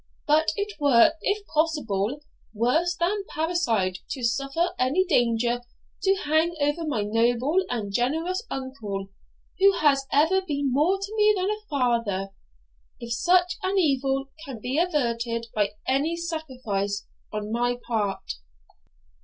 But it were, if possible, worse than parricide to suffer any danger to hang over my noble and generous uncle, who has ever been more to me than a father, if such evil can be averted by any sacrifice on my part!'